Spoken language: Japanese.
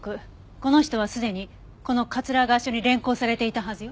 この人はすでにこの桂川署に連行されていたはずよ。